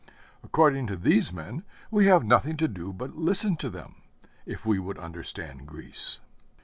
According to these men we have nothing to do but listen to them, if we would understand Greece.